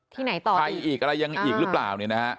ที่ไหนต่ออีกไปอีกหรือเปล่า